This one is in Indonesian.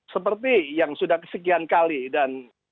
seperti yang sudah kesekian kali dan